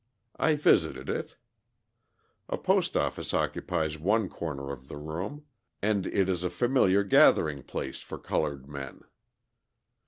I visited it. A post office occupies one corner of the room; and it is a familiar gathering place for coloured men.